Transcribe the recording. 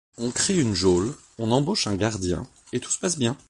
On crée une geôle, on embauche un gardien et tout se passe bien.